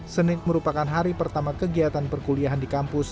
senin merupakan hari pertama kegiatan perkuliahan di kampus